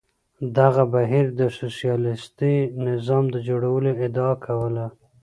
دغه بهیر د سوسیالیستي نظام د جوړولو ادعا کوله.